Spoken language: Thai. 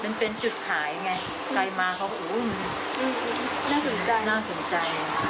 เลิกก็ไปซื้อซูเปอร์เวรมาใส่